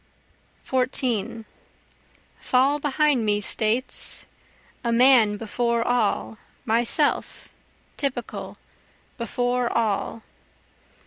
14 Fall behind me States! A man before all myself, typical, before all.